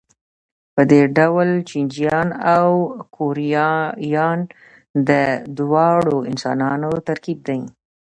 په دې ډول چینایان او کوریایان د دواړو انسانانو ترکیب دي.